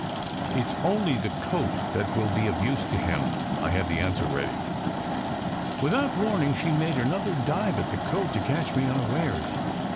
" It s only the coat that will be of use to him. " I had the answer ready. Without warning she made another dive at the coat to catch me unawares.